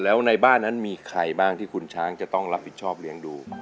แล้วในบ้านนั้นมีใครบ้างที่คุณช้างจะต้องรับผิดชอบเลี้ยงดู